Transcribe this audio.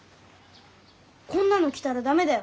こんなの着たらダメだよ。